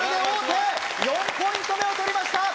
４ポイント目を取りました！